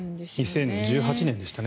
２０１８年でしたね。